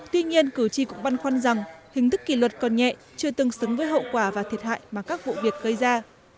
tuy nhiên cử tri cũng băn khoăn rằng hình thức kỷ luật còn nhẹ chưa tương xứng với hậu quả và thiệt hại mà các vụ việc gây ra